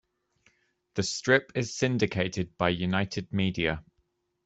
The strip is syndicated by United Media.